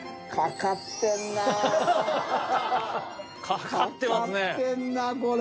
かかってんなこれ。